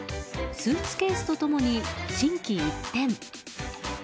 スーツケースと共に心機一転。